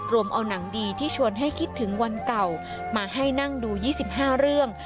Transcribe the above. เอาหนังดีที่ชวนให้คิดถึงวันเก่ามาให้นั่งดู๒๕เรื่อง